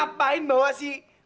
terus ngapain bawa si